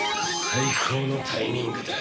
最高のタイミングだ。